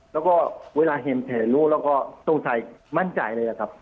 แล้วก็เวลาเห็นถ่ายรูปแล้วก็ตู้ไทยมั่นใจเลยครับ